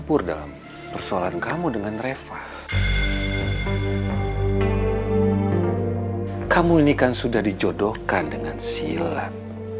bisanya sudah diangkat